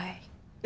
え！？